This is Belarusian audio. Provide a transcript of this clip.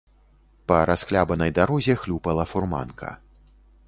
Па расхлябанай дарозе хлюпала фурманка.